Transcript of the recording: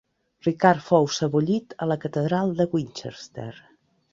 Ricard fou sebollit a la catedral de Winchester.